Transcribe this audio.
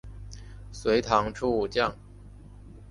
隋唐初武将。